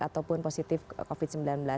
ataupun positif covid sembilan belas